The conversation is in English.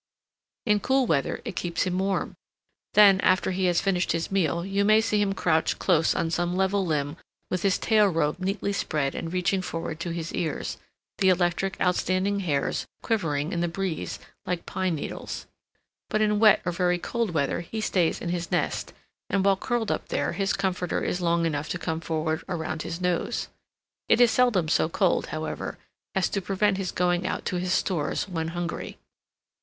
In cool weather it keeps him warm. Then, after he has finished his meal, you may see him crouched close on some level limb with his tail robe neatly spread and reaching forward to his ears, the electric, outstanding hairs quivering in the breeze like pine needles. But in wet or very cold weather he stays in his nest, and while curled up there his comforter is long enough to come forward around his nose. It is seldom so cold, however, as to prevent his going out to his stores when hungry.